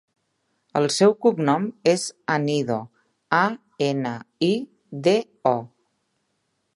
El seu cognom és Anido: a, ena, i, de, o.